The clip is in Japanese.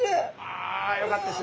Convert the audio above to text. あよかったです。